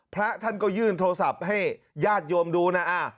พระท่านก็ยื่นโทรศัพท์ให้ญาติโยมดูนะ